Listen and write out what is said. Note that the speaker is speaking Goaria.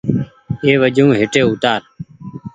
اي وجون هيٽي اوتآر ۔